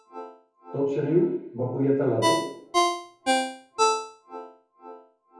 Tot seguiu va puyar ta l'arbol.